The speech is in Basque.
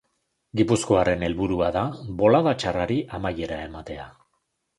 Gipuzkoarren helburua da bolada txarrari amaiera ematea.